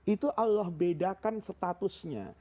itu allah bedakan statusnya